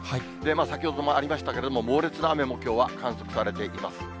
先ほどもありましたけれども、猛烈な雨も、きょうは観測されています。